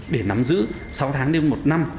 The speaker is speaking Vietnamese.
để nắm giữ sáu tháng đến một năm